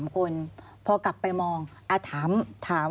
มันจอดอย่างง่ายอย่างง่ายอย่างง่าย